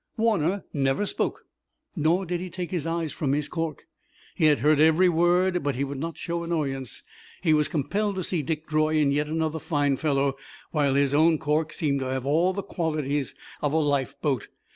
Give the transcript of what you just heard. Warner never spoke, nor did he take his eyes from his cork. He had heard every word, but he would not show annoyance. He was compelled to see Dick draw in yet another fine fellow, while his own cork seemed to have all the qualities of a lifeboat.